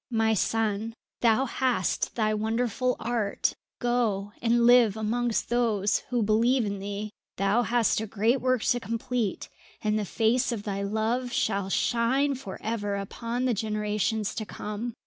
"My son, thou hast thy wonderful art. Go and live amongst those who believe in thee. Thou hast a great work to complete, and the face of thy love shall shine for ever upon the generations to come.